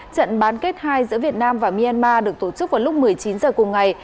trận bán kết hai giữa việt nam và myanmar được tổ chức vào lúc một mươi chín h cùng ngày